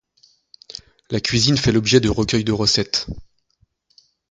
La cuisine fait l'objet de recueils de recettes.